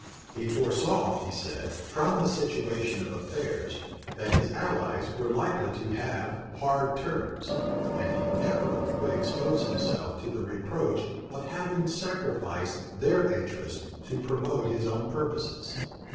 He foresaw, he said, from the situation of affairs that his allies were likely to have hard terms; and he never would expose himself to the reproach of having sacrificed their interests to promote his own purposes.